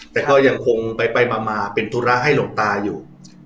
แต่ก็ยังคงไปมาเป็นธุระให้หลวงตาอยู่